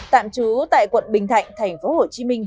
tạm trú tại quận bình thạnh tp hcm